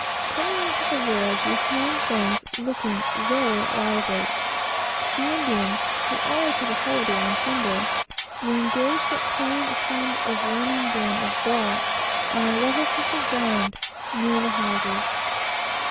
Coming into the village, we found things looking very lively. The Indians, who always have a holyday on Sunday, were engaged at playing a kind of running game of ball, on a level piece of ground, near the houses.